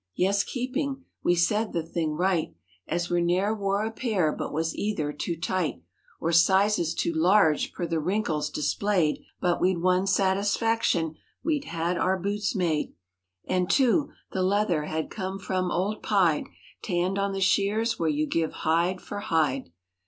Yes, keeping. We said the thing right. As we ne'er wore a pair but was either too tight Or sizes too large, per the wrinkles displayed— But we'd one satisfaction—"We had our boots made" And—too, the leather had come from "Old Pide"— Tanned on the "sheers" where you give hide for hide.